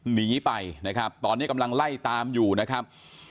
หนีไปนะครับตอนนี้กำลังไล่ตามอยู่นะครับ